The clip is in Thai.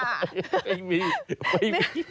ไม่มี